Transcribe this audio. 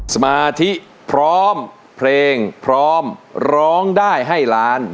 สมาธิพร้อมเพลงพร้อมร้องได้ให้ล้าน